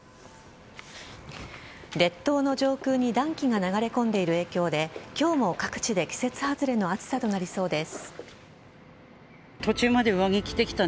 列島の上空に暖気が流れ込んでいる影響で今日も各地で季節外れの暑さとなりそうです。